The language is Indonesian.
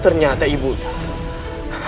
ternyata ibu anda menangis